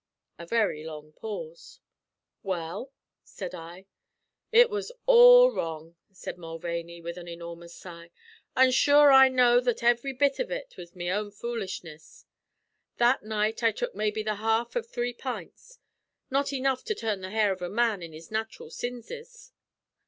A very long pause. "Well?" said I. "It was all wrong," said Mulvaney, with an enormous sigh. "An' sure I know that ev'ry bit av ut was me own foolishness. That night I tuk maybe the half av three pints not enough to turn the hair of a man in his natural sinses.